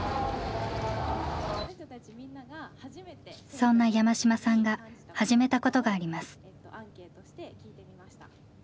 そんな山島さんが始めたことがあります。